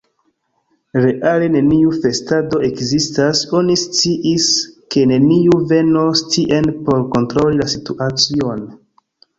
Reale neniu festado ekzistas: oni sciis, ke neniu venos tien por kontroli la situacion.